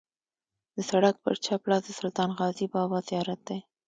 د سړک پر چپ لاس د سلطان غازي بابا زیارت دی.